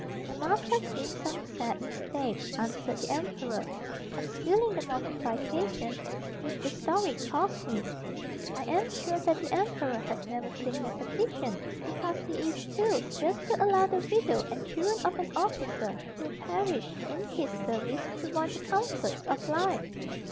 "There must have been some sad mistake," answered the emperor, concealing the mortification which the story caused him. "I am sure that the emperor has never seen your petition; because he is too just to allow the widow and children of an officer, who perished in his service, to want[Pg 58] the comforts of life.